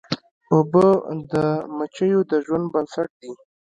اوبه د مچیو د ژوند بنسټ دي.